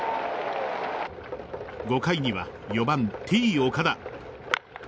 ５回には４番のＴ‐岡田。